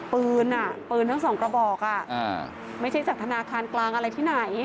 ปืนอ่ะปืนทั้งสองกระบอกไม่ใช่จากธนาคารกลางอะไรที่ไหน